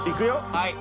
はい。